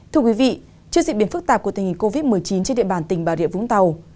thưa quý vị trước diễn biến phức tạp của tình hình covid một mươi chín trên địa bàn tỉnh bà địa vũng tàu